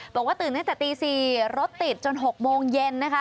บอกว่าตื่นตั้งแต่ตี๔รถติดจน๖โมงเย็นนะคะ